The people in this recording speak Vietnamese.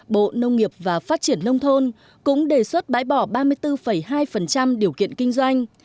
bộ nông nghiệp và phát triển nông thôn cũng đề xuất bãi bỏ ba mươi bốn hai điều kiện kinh doanh